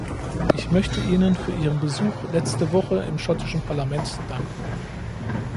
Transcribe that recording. Ich möchte Ihnen für Ihren Besuch letzte Woche im schottischen Parlament danken.